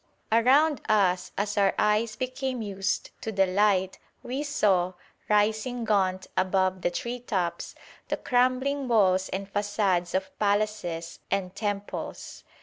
Around us, as our eyes became used to the light, we saw, rising gaunt above the tree tops, the crumbling walls and façades of palaces and temples.